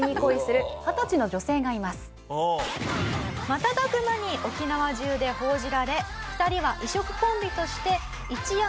瞬く間に沖縄中で報じられ２人は異色コンビとして一躍時の人に。